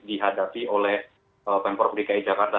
dihadapi oleh pemprov dki jakarta